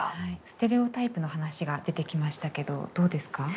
ステレオタイプの話が出てきましたけどどうですか？